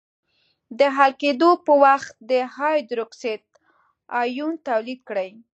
د حل کېدو په وخت د هایدروکساید آیون تولید کړي.